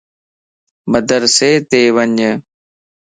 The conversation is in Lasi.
مدرسيت وڃ